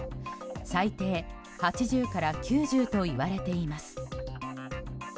最低８０から９０といわれています。